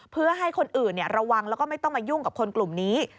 เพื่อให้คนอื่นระวังแล้วก็ไม่ต้องมายุ่งกับคนกลุ่มนี้